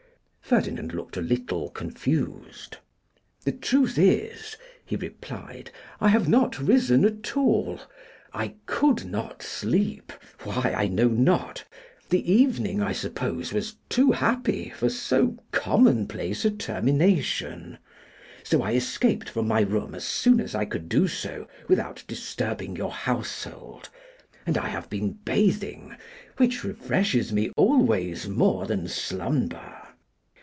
Ferdinand looked a little confused. 'The truth is,' he replied, 'I have not risen at all. I could not sleep; why, I know not: the evening, I suppose, was too happy for so commonplace a termination; so I escaped from my room as soon as I could do so without disturbing your household; and I have been bathing, which refreshes me always more than slumber.